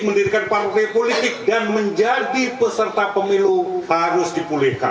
mendirikan partai politik dan menjadi peserta pemilu harus dipulihkan